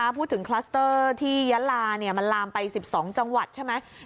ถ้าพูดถึงคลัสเตอร์ที่ยั้นลามันลามไป๑๒จังหวัดใช่ไหม